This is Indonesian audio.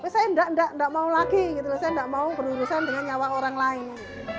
saya enggak mau lagi saya enggak mau berurusan dengan nyawa orang lain